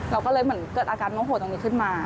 เราก็เลยเหมือนเกิดอาการโมโหตรงนี้ขึ้นมา